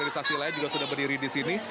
organisasi lain juga sudah berdiri di sini